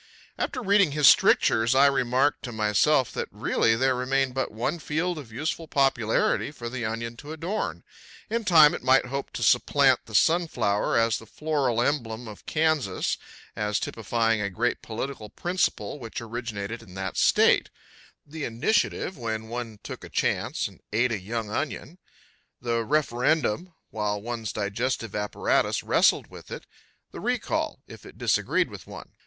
After reading his strictures I remarked to myself that really there remained but one field of useful popularity for the onion to adorn; in time it might hope to supplant the sunflower as the floral emblem of Kansas, as typifying a great political principle which originated in that state: The Initiative, when one took a chance and ate a young onion; the Referendum, while one's digestive apparatus wrestled with it; the Recall, if it disagreed with one.